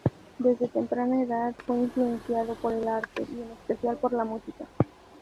Desde temprana edad fue influenciado por el arte y en especial por la música.